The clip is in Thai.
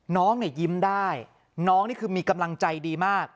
น้องเนี่ยยิ้มได้น้องนี่คือมีกำลังใจดีมาก